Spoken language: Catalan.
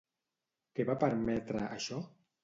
Què va permetre, això?